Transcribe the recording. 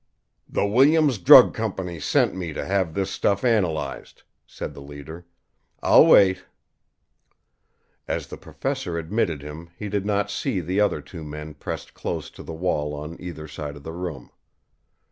"The Williams Drug Company sent me to have this stuff analyzed," said the leader. "I'll wait." As the professor admitted him he did not see the other two men pressed close to the wall on either side of the door.